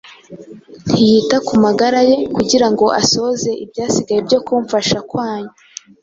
ntiyita ku magara ye, kugira ngo asohoze ibyasigaye byo kumfasha kwanyu